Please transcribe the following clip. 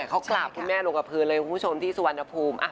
เขากราบคุณแม่ลงกับพื้นเลยคุณผู้ชมที่สุวรรณภูมิ